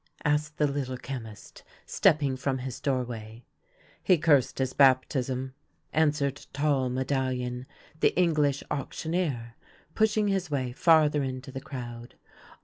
asked the Little Chemist, stepping from his doorway. " He cursed his baptism," answered tall Medallion, the English auctioneer, pushing his way farther into the crowd.